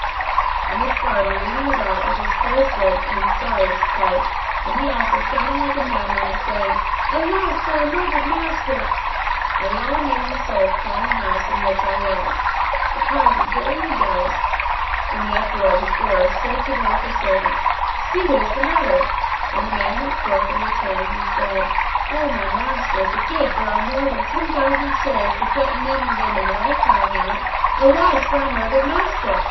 and this Barber leading the rout with his clothes rent and in sorriest plight; and he also shouting like a madman and saying, "Alas for our murdered master!" And they all made an assault upon the house in which I was. The Kazi, hearing the yells and the uproar at his door, said to one of his servants, "See what is the matter"; and the man went forth and returned and said, "O my master, at the gate there are more than ten thousand souls what with men and women, and all crying out, 'Alas for our murdered master!'